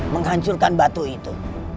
menghancurkan batu itu